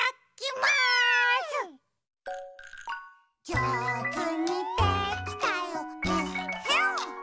「じょうずにできたよえっへん」